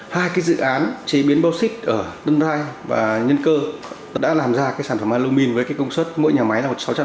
hai dự án chế biến bô xít ở tân rai và nhân cơ đã làm ra sản phẩm aluminum với công suất mỗi nhà máy là sáu trăm hai mươi tấn